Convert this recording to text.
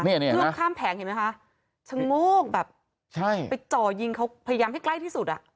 เพื่อนข้ามแผงเห็นไหมคะชะโงกแบบใช่ไปจ่อยิงเขาพยายามให้ใกล้ที่สุดอ่ะ